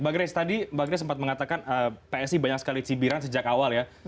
mbak grace tadi mbak grace sempat mengatakan psi banyak sekali cibiran sejak awal ya